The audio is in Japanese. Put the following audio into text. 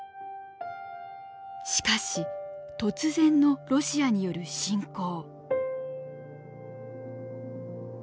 しかし突然のロシアによる侵攻。